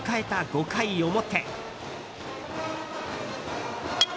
５回表。